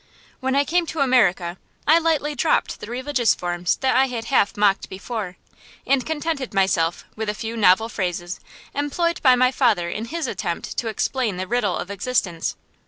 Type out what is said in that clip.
When I came to America I lightly dropped the religious forms that I had half mocked before, and contented myself with a few novel phrases employed by my father in his attempt to explain the riddle of existence.